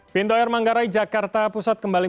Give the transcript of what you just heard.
pintu air manggarai jakarta pusat kembali